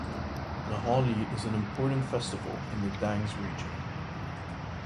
The Holi is an important festival in the Dangs region.